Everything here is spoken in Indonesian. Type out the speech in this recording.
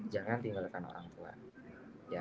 jangan tinggalkan orang tua